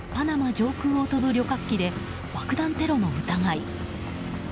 上空を飛ぶ旅客機で爆弾テロの疑い。